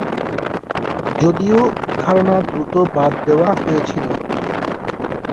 যদিও ধারণা দ্রুত বাদ দেওয়া হয়ে ছিল।